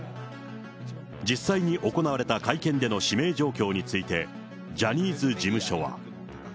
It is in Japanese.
実際に行われた会見での指名状況について、ジャニーズ事務所は。